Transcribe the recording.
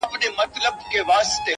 خو حیران سو چي سړی دومره هوښیار دی،